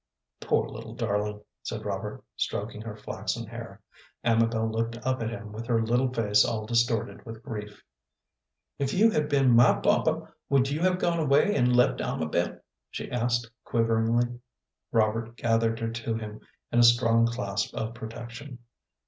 "Poor little darling," said Robert, stroking her flaxen hair. Amabel looked up at him with her little face all distorted with grief. "If you had been my papa, would you have gone away and left Amabel?" she asked, quiveringly. Robert gathered her to him in a strong clasp of protection.